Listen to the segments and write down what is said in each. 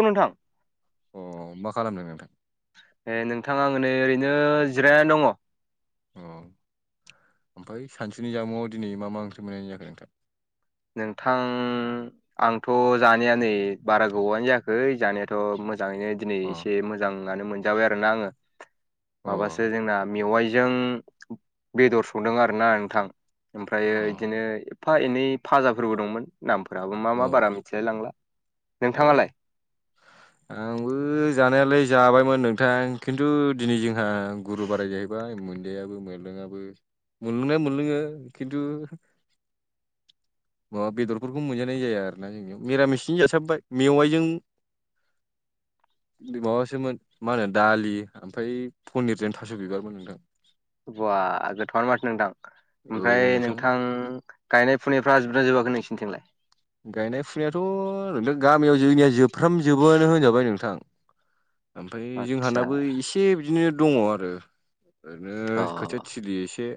औ नोंथां अ मा खालामदों नोंथां? ए नोंथां आं नै ओरैनो जिरायनानै दङ। अ ओमफाय सानसुनि जामुंआव दिनै मा मा ओंख्रि मोननानै जाखो नोंथां? नोंथां। आंथ' जानाया नै बारा गोबावानो जायाखै जानायाथ' मोजाङैनो दिनै अ एसे मोजाङानो मोनजाबाय आरोना आङो अ माबासो जोंना मेवाइजों बेदर संदों आरोना नोंथां ओमफ्रायो अ इदिनो एफा एनैसो फाजाफोरबो दंमोन नामफोराबो मा मा औ बारा मिथिलाय लांला औ नोंथाङालाय [inaudible] आंबो जानायालाय जाबायमोन नोंथां खिन्थु दिनै जोंहा गुरु बाराय जायो। बाय मोन्दायाबो मोनलोङाबो मोनलोंनाया मोनलोङो खिन्थु ओ माबा बेदरफोरखौ मोनजानाय जाया आरो ना जोंनियाव मिरामिसजोंनो जासाबबाय मेवाइजोंओ माबासोमोन मा होनो दालि ओमफाय पनिरजों थास' बिबारमोन नोंथां। बा गोथावानो माथो नोंथां ओमफ्राय नोंथां। गायनाय फुनायफ्रा जोबदोंना जोबाखै नोंसिनिथिंलाय। गायनाय फुनायाथ' नोंथां गामियाव जोंनिया जोबफ्रामजोबोआनो होनजाबाय नोंथां। ओमफाय आदसा जोंहानाबो इसे बिदिनो दङ आरो। ओरैनो अ खोथिया थिलि एसे।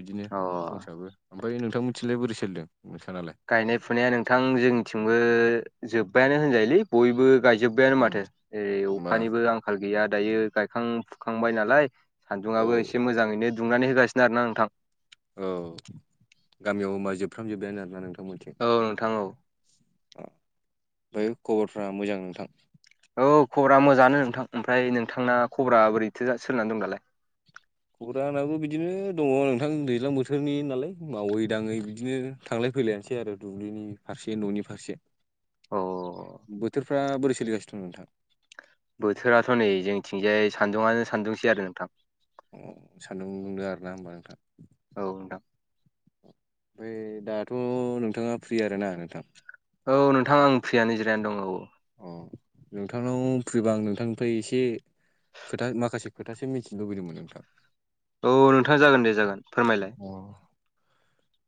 बिदिनो अ दंसाबो ओमफाय नोंथां मोननिथिंलाय बोरै सोलिदों नोंथांनालाय? गायनाय फुनाया नोंथां जोंनिथिंबो जोबबायानो होनजायोलै बयबो गायजोबबायानो उम माथो ओरै होमबा अखानिबो आंखाल गैया दायो गायखां-फुखांबाय नालायो। औ सान्दुङाबो एसे मोजाङैनो दुंनानै होगासिनो आरोना नोंथां। औ गामियाव होमबा जोबफ्राम जोबबायानो आरोना नोंथांमोनिथिं औ। अ ओमफाय खबरफ्रा ना‌ मोजां नोंथां? औ खबरा मोजाङानो नोंथां ओमफ्राय नोंथांना खबरा बोरैथो सोलिनानै दं दालायो? खबरा आंनाबो बिदिनो दङ नोंथां दैज्लां बोथोरनि नालाय मावै दाङै बिदिनो थांलाय फैलायानोसै आरो दुब्लिनि फारसे न'नि फारसे। अ बोथोरफ्रा बोरै सोलिगासिनो दं नोंथां? बोथोराथ' नै जोंनिथिंजाय सान्दुङानो सानदुंसै आरो नोंथांना। अ सान्दुं दुदो आरोना होमबा नोंथां? औ। ओमफाय दाथ' नोंथाङा फ्रि आरोना नोंथां? औ नोंथां आं फ्रियानो जिरायाना दं औ औ। अ नोंथांनाव फ्रिबा आं नोंथांनिफ्राय एसेसो खोथा माखासे खोथासो मिथिनो लुबैदोंमोन नोंथां। औ नोंथा जागोन दे जागोन फोरमायलायो अ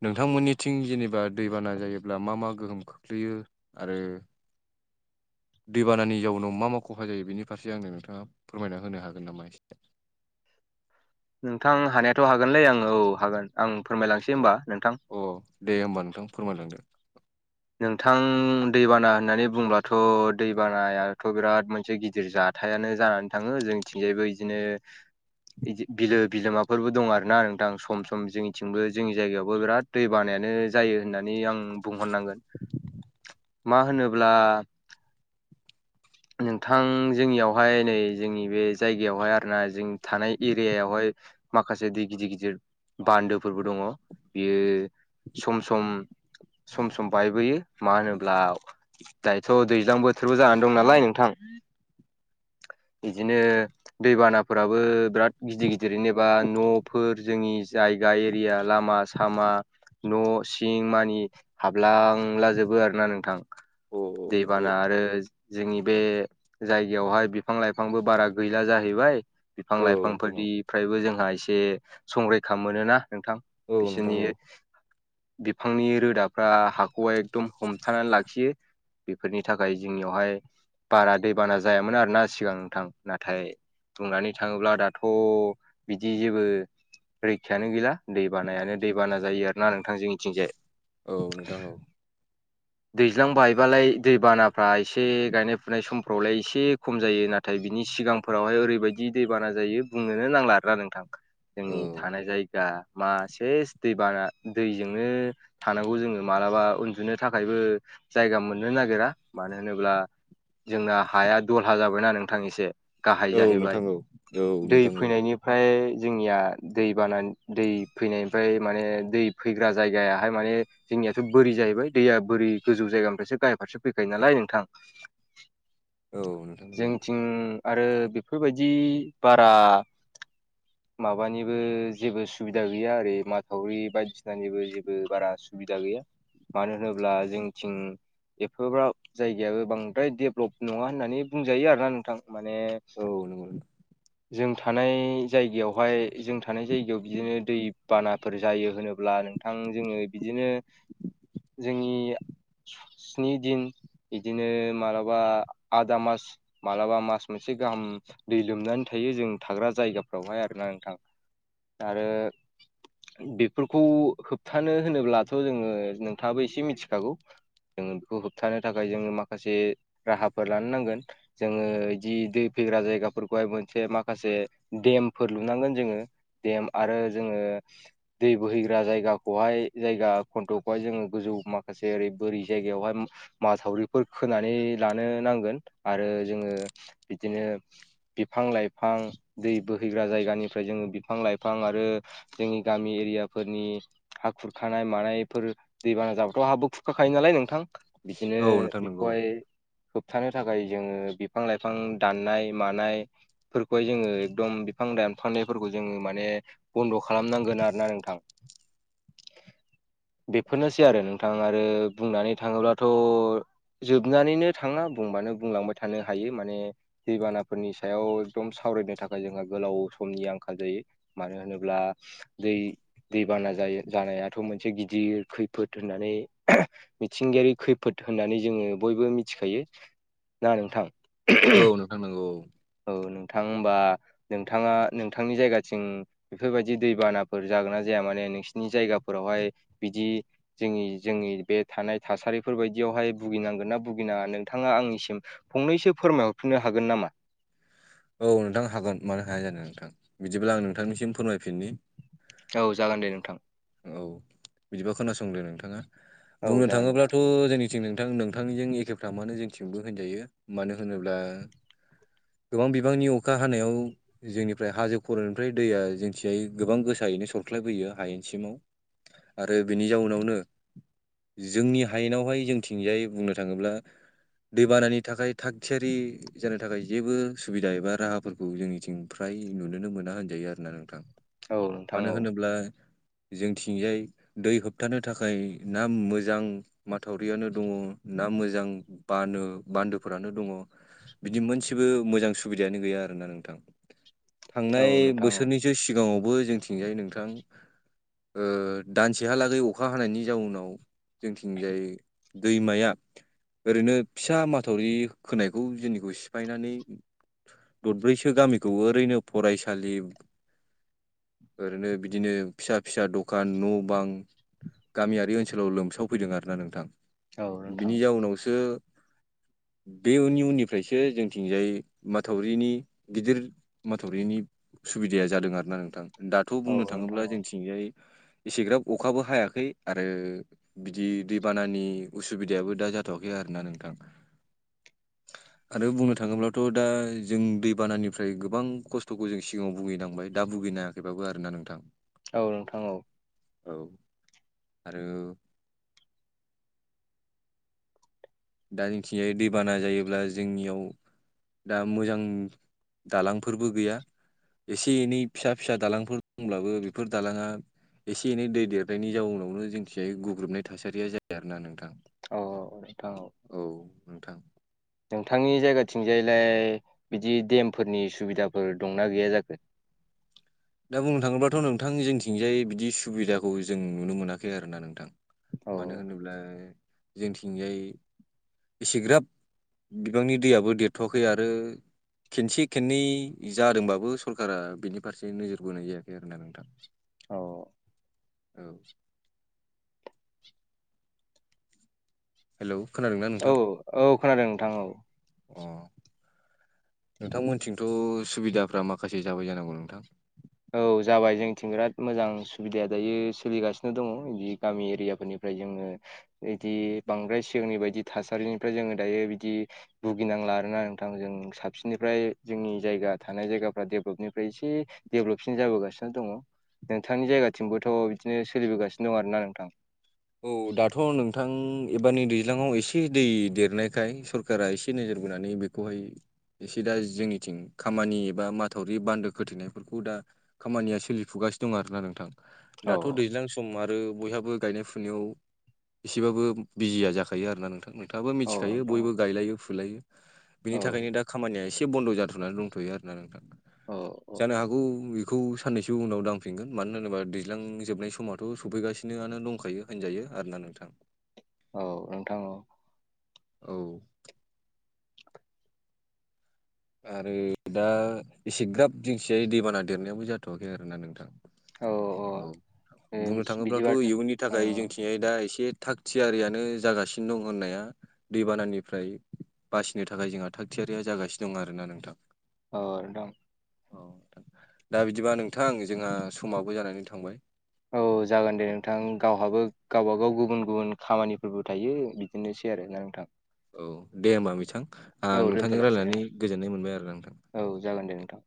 नोंथांमोननिथिं जेनेबा दैबाना जायोब्ला मा मा गोहोम खोख्लैयो आरो दैबानानि जाउनाव मा मा खहा जायो बेनि फारसे आंनो नोंथाङा फोरमायना होनो हागोन नामा एसे नोंथां हानायाथ' हागोनलै आङो औ हागोन आं फोरमायलांसै होमबा नोंथां अ दे होमबा नोंथां फोरमायलांदो नोंथां दैबाना होननानै बुंब्लाथ' दैबानायाथ' बिराद मोनसे गिदिर जा थायानो जानानै थाङो जोंनिथिंजायबो बिदिनो बिदि बिलो बिलोमाफोरबो दं आरोना नोंथां सम सम जोंनिथिंबो जोंनि जायगायावबो बिराद दै बानायानो जायो होननानै आं बुंहरनांगोन मा होनोब्ला नोंथां जोंनियावहाय नै जोंनि बे जायगायावहाय आरोना जों थानाय एरियावहाय माखासे दै गिदिर गिदिर बान्दोफोरबो दङ बियो सम सम सम सम बायबोयो मा होनोब्ला दायोथ' दैज्लां बोथोराव जानानै दं नालाय नोंथां बिदिनो दैबानाफोराबो बिराद गिदिर गिदिरेनेबा न'फोर जोंनि जाय गामि एरिया लामा सामा न' सिं मानि हाबलां थांला जोबो आरोना नोंथां औ औ दैबाना आरो जोंनि बे जायगायावहाय बिफां लाइफांबो बारा गैला जाहैबाय बिफां औ नोंथां औ लाइफांफोरनिफ्रायबो जोंहा एसे संरैखा मोनोना नोंथां औ नोंथां बिसोरनि औ बिफांनि रोदा फ्रा हाखौहाय एकदम हमथानानै लाखियो बेफोरनि थाखाय जोंनियावहाय बारा दैबाना जायामोन आरो ना सिगां नोंथां नाथाय बुंनानै थाङोब्ला दाथ' बिदि जेबो रैखायानो गैला दैबानायानो दैबाना जायो आरोना नोंथां जोंनिथिंजाय औ नोंथां औ दैज्लां बायबालाय दैबानाफ्रा एसे गायनाय फुनाय समफ्रावलाय एसे खम जायो ना थाय बिनि सिगांफोरावहाय ओरैबायदि दैबाना जायो बुंनोनो नांला आरोना नोंथां औ जोंनि थानाय जायगा मा सेस दैबाना दैजोंनो थानांगौ जोङो मालाबा उन्दुनो थाखायबो जायगा मोननो नागिरा मानो होनोब्ला जोंना हाया दलहा जाबायना नोंथां एसे गाहाय औ जाहैबाय नोंथां औ औ दै नोंथां औ फैनायनि ओमफ्राय जोंनिया दै बाना दै फैनायनिफ्राय माने दै फैग्रा जायगाया हाय माने जोंनियाथ' बोरै जाहैबाय दैया बोरै गोजौ जायगानिफ्रायसो गाहाय फारसे फैखायो नालाय नोंथां [inaudible] औ नोंथां नंगौ जोंथिं आरो बेफोरबायदि बारा माबानिबो जेबो सुबिदा गैया आरो माथावरि बायदिसिनानिबो जे बारा सुबिदा गैया मानो होनोब्ला जोंनिथिं एफाग्राब जायगायाबो बांद्राय डेभलप नङा होननानै बुंजायो आरोना नोंथां माने औ नंगौ जों थानाय जायगायावहाय जों थानाय जायगायाव बिदिनो दै बानाफोर जायो होनोब्ला नोंथां जोङो बिदिनो जोंनि स्नि दिन बिदिनो मालाबा आदा मास माब्लाबा मास मोनसे गाहाम दै लोमनानै थायो जों थाग्रा जायगाफ्रावहाय आरोना नोंथां दा आरो बेफोरखौ होब थानो होनोब्लाथ' जोङो नोंथाङाबो एसे मिथिखागौ जों बेखौ होबथानो थाखाय जोङो माखासे राहाफोर लानो नांगोन जोङो जि दै फैग्रा जायगाफोरखौहाय मोनसे माखासे देमफोर लुनांगोन जोङो देम आरो जोङो दै बोहैग्रा जायगा खौहाय जायगा खन्थ'खौहाय जोङो गोजौ माखासे ओरै बोरै जायगायावहाय माथावरिफोर खोनानै लानो नांगोन आरो जोङो बिदिनो बिफां लाइफां दै बोहैग्रा जायगानिफ्राय जोङो बिफां लाइफां आरो जोंनि गामि एरियाफोरनि हा खुरखानाय मानायफोर दैबाना जाब्लाथ' हाबो खुरखाखायो नालाय नोंथां। बिदिनो औ नोंथां नंगौ बेखौहाय होबथानो थाखाय जोङो बिफां लाइफां दाननाय मानाय फोरखौहाय जोङो एकदम बिफां दानफायनायफोरखौ जोङो माने बन्द' खालामनांगोन आरो ना नोंथां। बेफोरनोसै आरो नोंथां आरो बुंनानै थाङोब्लाथ'। जोबनानैनो थाङा बुंबानो बुंलांबाय थानो हायो। माने दैबानाफोरनि सायाव एकदम सावरायनो थाखाय जोंहा गोलाव समनि आंखाल जायो। मानो होनोब्ला दै दैबाना जायो। जानायाथ' मोनसे गिदिर खैफोद होननानै मिथिंगायारि खैफोद होननानै जोङो बयबो मिथिखायो ना नोंथां? औ नोंथां नंगौ औ। औ नोंथां होनबा नोंथाङा नोंथांनि जायगाथिं बेफोरबायदि दैबानाफोर जागोन ना जाया माने नोंसिनि जायगाफोरावहाय बिदि जोंनि जोंनि बे थानाय थासारिफोर बायदियावहाय भुगिनांगोनना भुगिनाङा नोंथाङा आंनिसिम फंनैसो फोरमायहरफिननो हागोन नामा? औ नोंथां हागोन मानो हाया जानो नोंथां बिदिब्ला आं नोंथांनिसिम फोरमायफिननि औ जागोन दे नोंथां। औ बिदिबा खोनासंदो नोंथाङा औ बुंनो जागोन नोंथां थाङोब्लाथ' जोंनि जों नोंथां नोंथांनिजों एखेफ्रामानो जोंथिंबो होनजायो मानो होनोब्ला गोबां बिबांनि अखा हानायाव जोंनिफ्राय हाजो खर'निफ्राय दैया जोंथिंजाय गोबां गोसायैनो सरख्लायबोयो हायेनसिमाव आरो बिनि जाउनावनो जोंनि हायेनावहाय जोंथिंजायै बुंनो थाङोब्ला दैबानानि थाखाय थाग थियारि जानो थाखाय जेबो सुबिदा एबा राहाफोरखौ जोंनिथिं फ्राय नुुनोनो मोना होनजायो आरो ना नोंथां। औ नोंथां मानो औ होनोब्ला जोंथिंजाय दै होबथानो थाखाय ना मोजां माथावरियानो दङ ना मोजां बानो बान्दोफोरानो दङ। बिदि मोनसेबो मोजां सुबिदायानो गैया आरोना नोंथां थांनाय औ नोंथां बोसोरनि सो सिगाङावबो जोंथिंजाय नोंथां ओ दानसेहालागै अखा हानायनि जाउनाव जोंथिंजाय दैमाया ओरैनो फिसा माथावरि खोनायखौ जोंनिखौ सिफायनानै ददब्रैसो गामिखौ ओरैनो फरायसालि ओरैनो बिदिनो फिसा फिसा दखान न' बां गामियारि ओनसोलाव लोमसावफैदों आरो ना नोंथां। औ नोंथां बिनि जाउनावसो बे उननि उननिफ्रायसो जोंथिंजाय माथावरिनि गिदिर माथावरिनि सुबिदाया जादों आरोना नोंथां। दाथ' औ बुंनो नोंथां थाङोब्ला औ जोंथिंजाय एसेग्राब अखाबो हायाखै आरो बिदि दैबानानि उसुबिदायाबो दा जाथ'वाखै आरोना नोंथां। आरो बुंनो थाङोब्ला थ' दा जों दैबानानिफ्राय गोबां खस्थ'खौ जों सिगाङाव भुगिनांबाय दा भुगिना थेबाबो आरोना नोंथां। औ नोंथां औ। औ आरो दा जोंथिंजाय दैबाना जायोब्ला जोंनियाव दा मोजां दालांफोरबो गैया। एसे एनै फिसा फिसा दालांफोर दंब्लाबो बेफोर दालाङा एसे एनै दै देरनायनि जाउनावनो जोंनिथिंजाय गग्रुबनाय थासारिया जायो आरोना नोंथां। औ औ औ नोंथां औ। औ नोंथां नोंथांनि जायगाथिंजायलाय बिदि देमफोरनि सुबिदाफोर दंना गैया जाखो दा बुंनो थाङोबाथ' नोंथां जोंथिंजाय बिदि सुबिदाखौ जों नुनो मोनाखै आरो ना नोंथां औ मानो होनोब्ला जोंथिंजाय एसेग्राब बिबांनि दैयाबो देरथ'वाखै आरो खेनसे खेननै जादोंबाबो सरकारा बेनि फारसे नोजोर बोनाय जायाखै आरोना नोंथां औ औ हेलौ खोनादोंना औ नोंथां औ खोनादों नोंथां औ अ नोंथांमोनथिंथ' सुबिदाफ्रा माखासे जाबाय जानांगौ नोंथां औ जाबाय जोंनिथिं बिराद मोजां सुबिदाया दायो सोलिगासिनो दङ बिदि गामि एरियाफोरनि ओमफ्राय जोङो बिदि बांद्राय सिगांनि बायदि थासारिनिफ्राय जोङो दायो बिदि भुगिनांला आरोना नोंथां जों साबसिननिफ्राय जोंनि जायगा थानाय जायगाफ्रा डेभलपनिफ्राय एसे डेभेलपसिन जाबोगासिनो दङ नोंथांनि जायगाथिंबोथ' बिदिनो सोलिबोगासिनो दं आरो ना नोंथां औ दाथ' नोंथां एबारनि दैज्लाङाव एसे दै देरनायखाय सरकारा एसे नोजोर बोनानै बे बेहाय एसे दा जोंनिथिं खामानि एबा माथावरि बान्दो खोथेनायफोरखौ दा खामानिया सोलिफुगासिनो दं आरोना नोंथां औ दाथ' दैज्लां सम आरो बयहाबो गायनाय फोनाय बिथिंयाव एसेबाबो बिजिया जाखायो आरोना नोंथां नोंथाङाबो औ मिथिखायो नोंथां बयबो गायलायो फुलायो बिनि औ थाखायनो दा खामानिया एसे बन्द' जाथ'नानै दंथ'यो आरोना नोंथां औ औ जानो हागौ आखौ बेखौ साननैसो उनाव दांफिनगोन मानो होनोबा दैज्लां जोबनाय समावथ' सफैगासिनो आनो दंखायो होनजायो आरोना नोंथां औ नोंथां औ औ आरो दा एसे ग्राब दिंसिया दैबाना देरनायाबबो जाथ'वाखै आरोना नोंथां औ औ औ बुंनो थाङोब्लाथ' बिदिबा इयुननि औ थाखाय जोंथिं दा एसे थाग थियारियानो जागासिनो दं होननाया दैबानानिफ्राय बासिनो थाखाय जोंहा थाग थियारिया जागासिनो दं आरोना नोंथां औ नोंथां औ दा बिदिबा नोंथां जोंहा समाबो जानानै थांबाय औ जागोन दे नोंथां गावहाबो गावबागाव गुबुन गुबुन खामानिफोरबो थायो बिदिनोसै आरो ना नोंथां औ दे होमबा बिथां औ नोंथांजों दोनथ'लायसै रायज्लायनानै गोजोननाय मोनबाय आरोा नोंथां औ जागोन दे नोंथां